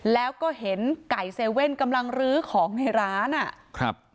แล้วก็เห็นไก่เซเว่นกำลังลื้อของในร้านอ่ะครับ